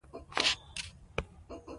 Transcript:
ژوند دي د غيرتي خلکو زيات سي.